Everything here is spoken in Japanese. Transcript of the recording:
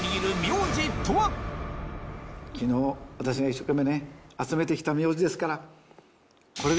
昨日私が一生懸命集めて来た名字ですから。